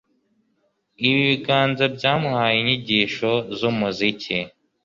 Ibi bibanza byamuhaye inyigisho zumuziki.